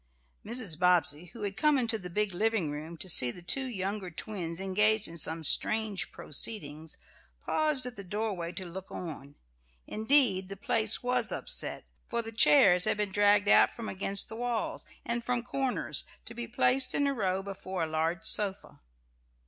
Mrs. Bobbsey, who had come into the big living room, to see the two younger twins engaged in some strange proceedings, paused at the doorway to look on. Indeed the place was upset, for the chairs had been dragged out from against the walls and from corners to be placed in a row before a large sofa.